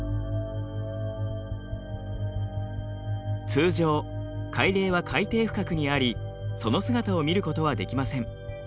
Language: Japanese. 通常海嶺は海底深くにありその姿を見ることはできません。